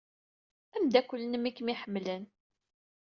Ameddakel-nnem ay kem-iḥemmlen.